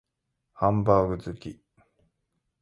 ハンバーグ好き